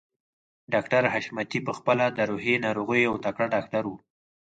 ډاکټر حشمتي په خپله د روحي ناروغيو يو تکړه ډاکټر و.